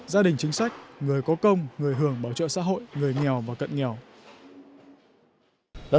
gia đình chính sách người có công người hưởng bảo trợ xã hội người nghèo và cận nghèo